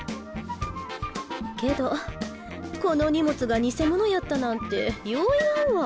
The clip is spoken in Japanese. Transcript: けどこの荷物が偽物やったなんてよう言わんわ。